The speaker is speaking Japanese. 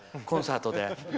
コンサートで。